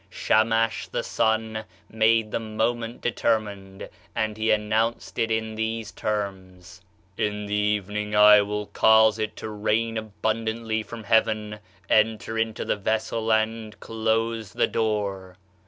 "'Shamash (the sun) made the moment determined, and he announced it in these terms: "In the evening I will cause it to rain abundantly from heaven; enter into the vessel and close the door."